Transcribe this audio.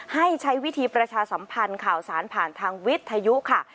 ให้ใช้วิธีประชาสัมพันธ์ข่าวสารผ่านทางวิทยุค่ะ